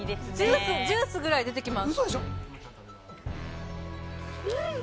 ジュースぐらい出てきます。